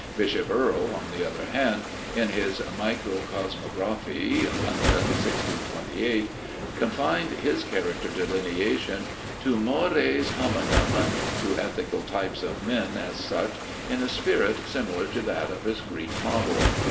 Bishop Earle, on the other hand, in his Micro cosmographie (London, 1628) confined his character delineation to mores hominum, to ethical types of men as such, in a spirit similar to that of his Greek model.